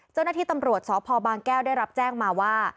เจ้าหน้าที่ตำรวจสพบางแก้วได้รับแจ้งมาว่า